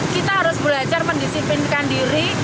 kita harus belajar mendisiplinkan diri